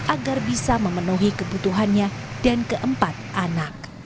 agar bisa memenuhi kebutuhannya dan keempat anak